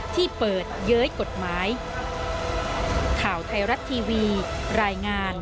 ที่เปิดเย้ยกฎหมาย